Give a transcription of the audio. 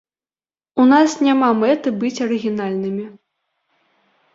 У нас няма мэты быць арыгінальнымі.